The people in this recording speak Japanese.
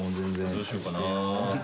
どうしようかな。